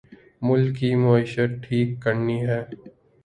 ملک کی معیشت ٹھیک کرنی ہے